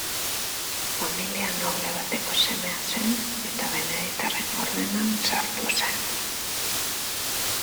Familia noble bateko semea zen eta beneditarren ordenan sartu zen.